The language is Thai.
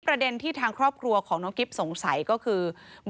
ประเด็นที่ทางครอบครัวของน้องกิ๊บสงสัยก็คือ